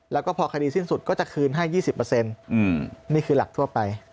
แล้วก็พอคดีสิ้นสุดก็จะคืนให้๒๐นี่คือหลักทั่วไป